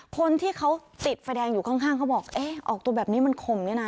คนที่เขาติดไฟแดงอยู่ข้างเขาบอกออกตัวแบบนี้มันขม